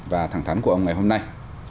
và thẳng thắn của ông ngày hôm nay